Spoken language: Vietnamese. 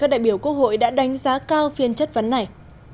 các đại biểu quốc hội đã đánh giá cao phiên chất vấn này